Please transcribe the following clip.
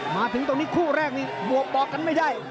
มาถึงตรงนี้คู่แรกบวกกันไม่ได้